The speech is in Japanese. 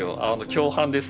共犯ですよ。